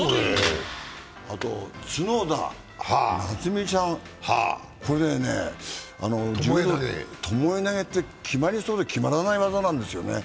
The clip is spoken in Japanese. あとの角田夏実ちゃん、ともえ投げって決まりそうで決まらない技なんですよね。